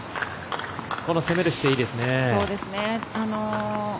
攻める姿勢いいですね。